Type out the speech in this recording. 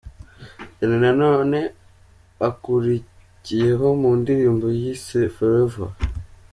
Danny Nanone akurikiyeho mu ndirimbo yise Forever.